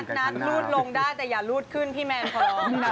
นัดรูดลงได้แต่อย่ารูดขึ้นพี่แมนพร้อม